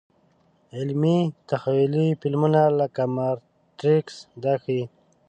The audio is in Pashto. علمي – تخیلي فلمونه لکه ماتریکس دا ښيي.